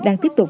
đang tiếp tục